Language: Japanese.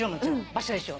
場所でしょ。